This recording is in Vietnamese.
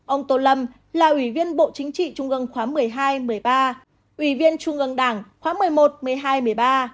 ông tô lâm là ủy viên bộ chính trị trung gương khoáng một mươi hai một mươi ba ủy viên trung gương đảng khoáng một mươi một một mươi hai một mươi ba